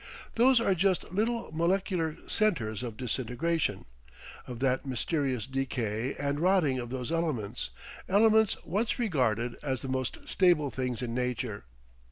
Those are just little molecular centres of disintegration, of that mysterious decay and rotting of those elements, elements once regarded as the most stable things in nature.